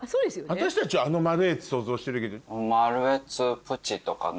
私たちはあのマルエツ想像してるけど。